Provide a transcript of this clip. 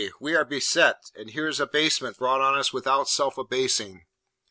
we are beset, and here's abasement brought on us without self abasing!'